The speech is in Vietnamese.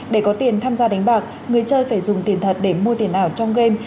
để có tiền tham gia đánh bạc người chơi phải dùng tiền thật để mua tiền ảo trong game